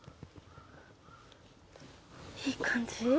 いい感じ？